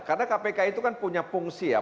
karena kpk itu kan punya fungsi ya